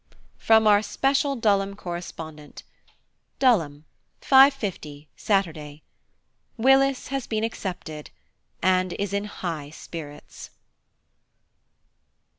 From Our Special Dulham Correspondent. Dulham, 5.50 Saturday. Willis has been accepted, and is in high spirits.